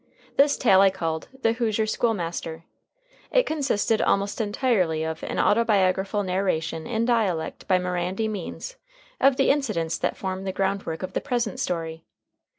This tale I called "The Hoosier School Master." It consisted almost entirely of an autobiographical narration in dialect by Mirandy Means of the incidents that form the groundwork of the present story.